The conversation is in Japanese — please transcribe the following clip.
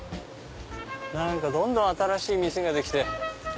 何かどんどん新しい店ができて。